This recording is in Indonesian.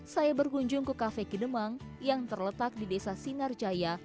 saya berkunjung ke kafe kidemang yang terletak di desa sinarjaya